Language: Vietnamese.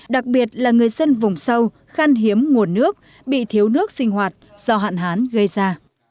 đặc biệt là người dân vùng sâu khăn hiếm nguồn nước bị thiếu nước sinh hoạt do hạn hán gây ra